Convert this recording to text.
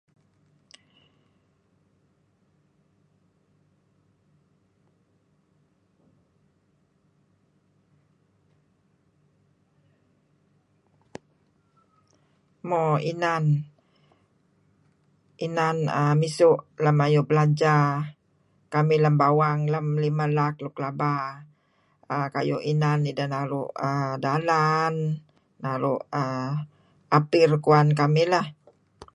Mo inan, inan err misu' lem ayu' belanja kamih dengebawang lem limah laak luk laba err kayu' inan ideh naru' dalan, naru' err apir kuwan kamih lah.